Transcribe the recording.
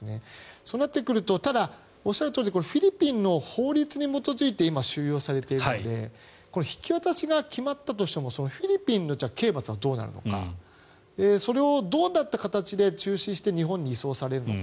そうなってくるとただ、おっしゃるとおりフィリピンの法律に基づいて今、収容されているので引き渡しが決まったとしてもフィリピンの刑罰はどうなるのかそれをどういう形で中止して日本に移送されるのか。